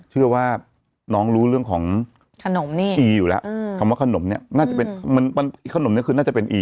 เชื่อว่าน้องรู้เรื่องของอีอยู่แล้วคำว่าขนมนี้คือน่าจะเป็นอี